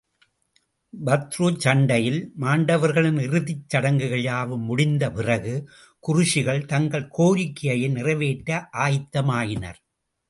பத்ருச் சண்டையில் மாண்டவர்களின் இறுதிச் சடங்குகள் யாவும் முடிந்த பிறகு, குறைஷிகள் தங்கள் கோரிக்கையை நிறைவேற்ற ஆயத்தமாயினர்.